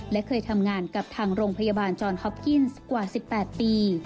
และเคยทำงานกับทางโรงพยาบาลจอนฮอปกิ้นซ์กว่า๑๘ปี